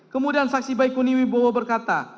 kemudian saksi baikuni wibowo berkata